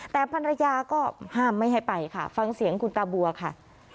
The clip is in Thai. แต่ภรรยาก็ห้ามไม่ให้ไปค่ะฟังเสียงคุณตาบัวค่ะ